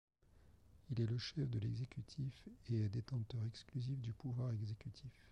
Il est le chef de l’exécutif et est détenteur exclusif du pouvoir exécutif.